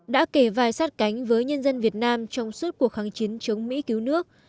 đã kể vài sát cánh với nhân dân việt nam trong suốt cuộc kháng chiến chống mỹ cứu nước